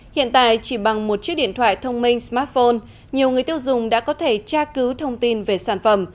hiện tại chỉ bằng một chiếc điện thoại thông minh smartphone nhiều người tiêu dùng đã có thể tra cứu thông tin về sản phẩm